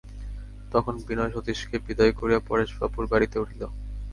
তখন বিনয় সতীশকে বিদায় করিয়া পরেশবাবুর বাড়িতে উঠিল।